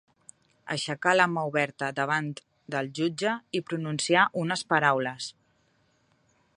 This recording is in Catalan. Aixecar la mà oberta davant del jutge i pronunciar unes paraules.